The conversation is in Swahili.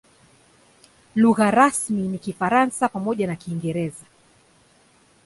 Lugha rasmi ni Kifaransa pamoja na Kiingereza.